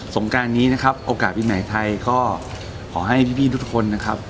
งการนี้นะครับโอกาสปีใหม่ไทยก็ขอให้พี่ทุกคนนะครับ